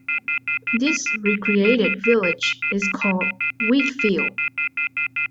This recreated village is called Wheatfield.